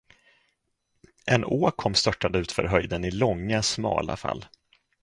En å kom störtande utför höjden i långa, smala fall.